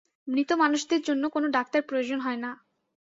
মৃত মানুষদের জন্যে কোনো ডাক্তার প্রয়োজন হয় না।